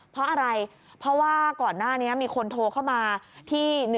เพราะอะไรเพราะว่าก่อนหน้านี้มีคนโทรเข้ามาที่